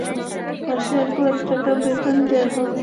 মাসে এক লাখ টাকা বেতন দেওয়া হবে।